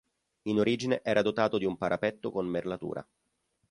In origine era dotato di un parapetto con merlatura.